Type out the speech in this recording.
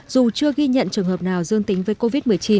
dù chưa ghi nhận trường hợp nào dương tính với covid một mươi chín